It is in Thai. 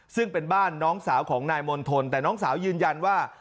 ซึ่งเป็นบ้านน้องสาวของนายมณฑลแต่น้องสาวยืนยันว่า